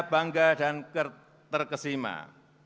yang dapat diberikan oleh